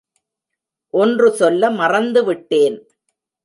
ஒன்று சொல்ல மறந்துவிட்டேன்.